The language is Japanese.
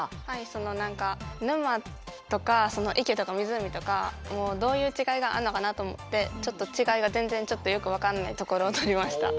その何か沼とか池とか湖とかもうどういう違いがあんのかなと思ってちょっと違いが全然ちょっとよく分かんないところを撮りました。